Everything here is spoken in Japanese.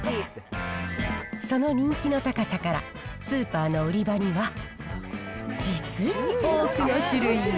その人気の高さから、スーパーの売り場には、実に多くの種類が。